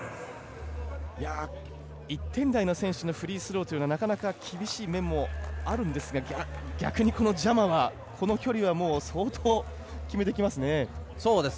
１点台の選手のフリースローというのはなかなか厳しい面もあるんですが逆にジャマは、この距離は相当、決めてきますね。